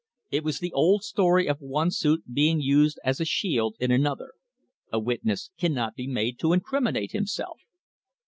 It was the old story of one suit being used as a shield in another. A witness cannot be made to incriminate himself.